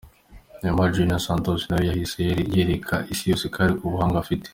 Neymar Jr Santos nawe yahise yereka isi yose ko hari ubuhanga afite .